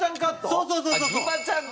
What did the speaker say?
そうそうそうそうそう！